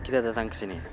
kita datang kesini